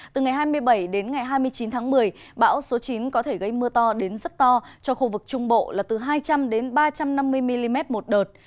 từ ngày hai mươi bảy đến ngày hai mươi chín tháng một mươi bão số chín có thể gây mưa to đến rất to cho khu vực trung bộ là từ hai trăm linh ba trăm năm mươi mm một đợt